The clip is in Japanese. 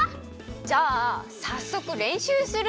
じゃあさっそくれんしゅうする？